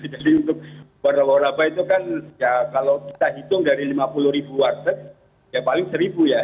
jadi untuk waralaba itu kan ya kalau kita hitung dari lima puluh ribu warteg ya paling seribu ya